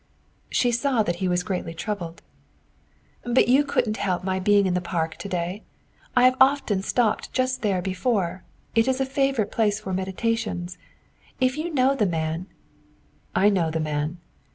She saw that he was greatly troubled. "But you couldn't help my being in the park to day! I have often stopped just there before. It's a favorite place for meditations. If you know the man " "I know the man."